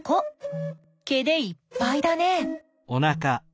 毛でいっぱいだね。